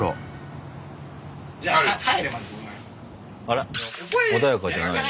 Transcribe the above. あらっ穏やかじゃないね。